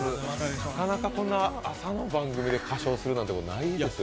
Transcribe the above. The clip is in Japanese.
なかなかこんな朝の番組で歌唱することってないでしょ？